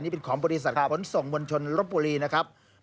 นี้เป็นของบริษัทผลส่งบนชนลบบุรีนะครับค่ะ